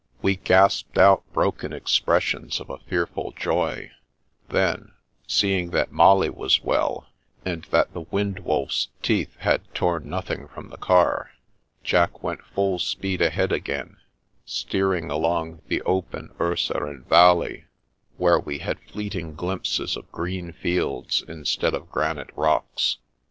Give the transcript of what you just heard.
We gasped out broken expressions of a fearful joy ; then, seeing that Molly was well, and that the wind wolf's teeth had torn nothing from the car, Jack went full speed ahead again, steering along the open Urseren Valley, where we had fleeting glimpses of green fields instead of granite rocks.